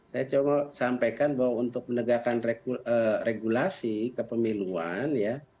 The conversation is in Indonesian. saya coba sampaikan bahwa untuk menegakkan regulasi kepemiluan ya